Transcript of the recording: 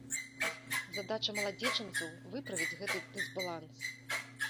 Задача маладзечанцаў выправіць гэты дысбаланс.